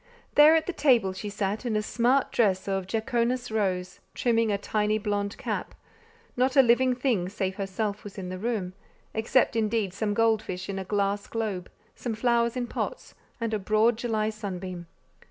There at the table she sat in a smart dress of "jaconas rose," trimming a tiny blond cap: not a living thing save herself was in the room, except indeed some gold fish in a glass globe, some flowers in pots, and a broad July sunbeam.